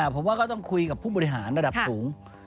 ผมว่าก็ต้องคุยกับผู้บริหารระดับสูง